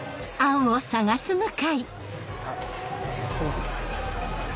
あすいません。